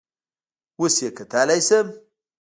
اوس یې کتلی شم؟